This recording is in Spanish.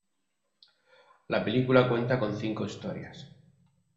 La película cuenta con cinco historias.